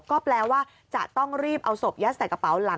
ก็แปลว่าจะต้องรีบเอาศพยัดใส่กระเป๋าหลัง